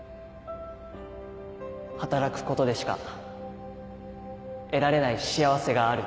「働くことでしか得られない幸せがある」